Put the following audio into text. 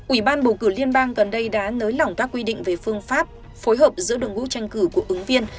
ủy ban bầu cử liên bang gần đây đã nới lỏng các quy định về phương pháp phối hợp giữa đường ngũ tranh cử của ứng viên